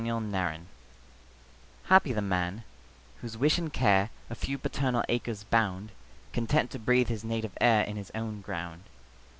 Y Z Solitude HAPPY the man, whose wish and care A few paternal acres bound, Content to breathe his native air In his own ground.